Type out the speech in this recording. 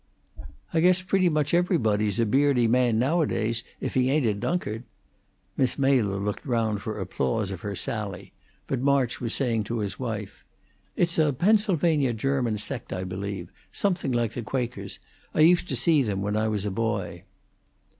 "I guess pretty much everybody's a Beardy Man nowadays, if he ain't a Dunkard!" Miss Mela looked round for applause of her sally, but March was saying to his wife: "It's a Pennsylvania German sect, I believe something like the Quakers. I used to see them when I was a boy."